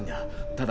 ただ。